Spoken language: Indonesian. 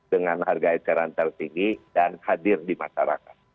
dengan harga eceran tertinggi dan hadir di masyarakat